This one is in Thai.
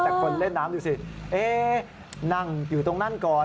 แต่คนเล่นน้ำดูสินั่งอยู่ตรงนั้นก่อน